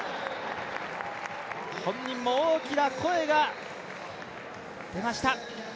本人も大きな声が出ました。